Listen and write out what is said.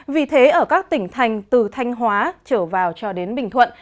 vì thế ở các tỉnh thành từ thanh hóa trở vào cho đến bình thuận